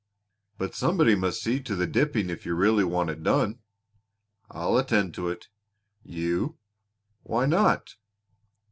"But somebody must see to the dipping if you really want it done." "I'll attend to it." "You!" "Why not?"